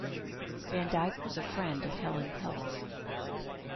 Van Dyke was a friend of Helen Keller.